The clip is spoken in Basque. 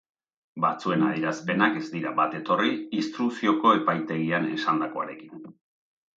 Batzuen adierazpenak ez dira bat etorri instrukzioko epaitegian esandakoarekin.